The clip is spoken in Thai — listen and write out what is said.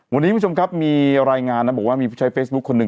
วันนี้คุณผู้ชมครับมีรายงานนะบอกว่ามีผู้ใช้เฟซบุ๊คคนหนึ่ง